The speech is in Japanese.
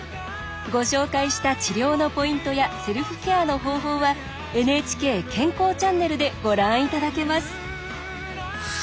ご紹介した治療のポイントやセルフケアの方法は「ＮＨＫ健康チャンネル」でご覧いただけます！